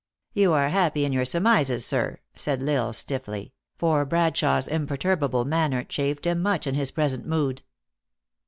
"You are happy in your surmises, sir," said L Isle, stiffly ; for Bradshawe s imperturbable manner chafed him much in his present mood.